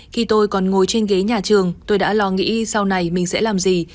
khi tôi còn ngồi trên ghế nhà trường tôi đã lo nghĩ sau này mình sẽ làm gì